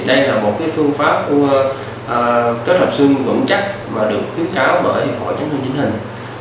đây là một phương pháp kết hợp xương vững chắc và được khuyến cáo bởi hội chống thương chính hình